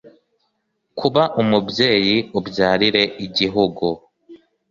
kuba umubyeyi ubyarire igihugu